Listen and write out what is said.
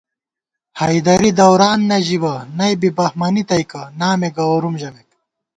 حیدَری دوران نہ ژِبہ نئ بی بہمَنی تئیکہ نامے گوَرُوم ژَمېک